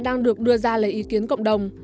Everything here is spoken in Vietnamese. đang được đưa ra lời ý kiến cộng đồng